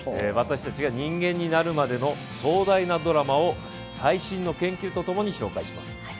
私たちが人間になるまでの壮大なドラマを最新の研究とともに紹介します。